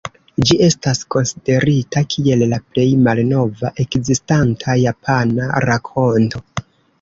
Ĝi estas konsiderita kiel la plej malnova ekzistanta japana rakonto.